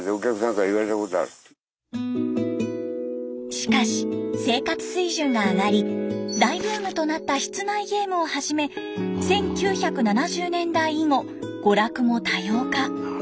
しかし生活水準が上がり大ブームとなった室内ゲームをはじめ１９７０年代以後娯楽も多様化。